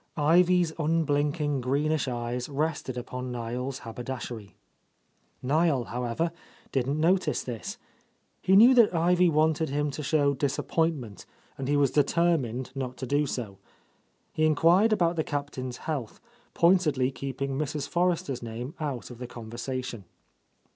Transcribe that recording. Ivy's un blinking greenish eyes rested upon Niel's haber dashery. Kiel, however, did not notice this. He knew that Ivy wanted him to show disappointment, and he was determined not to do .so. He en quired about the Captain's health, pointedly keep ing Mrs. Forrester's name out of the conver sation.